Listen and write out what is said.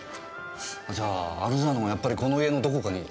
じゃあアルジャーノンはやっぱりこの家のどこかに。